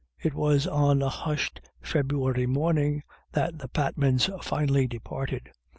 It was on a hushed February morning that the Patmans finally departed.